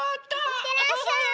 いってらっしゃい！